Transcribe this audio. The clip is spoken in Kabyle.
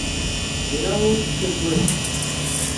Kra ur tettagadeɣ.